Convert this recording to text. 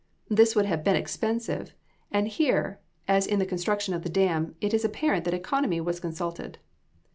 This would have been expensive; and here, as in the construction of the dam, it is apparent that economy was consulted.